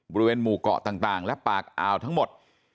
บริเวณหมู่เกาะต่างและปากอ่าวทั้งหมด